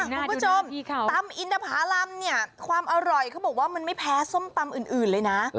คุณผู้ชมตำอินทภารำเนี่ยความอร่อยเขาบอกว่ามันไม่แพ้ส้มตำอื่นเลยนะ